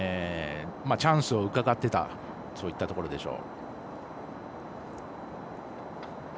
チャンスをうかがってたそういうところでしょう。